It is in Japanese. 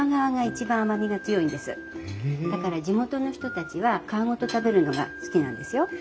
だから地元の人たちは皮ごと食べるのが好きなんですよ。